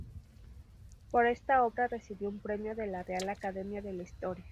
Por esta obra recibió un premio de la Real Academia de la Historia.